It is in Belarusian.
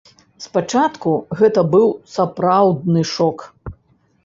Спачатку гэта быў сапраўдны шок!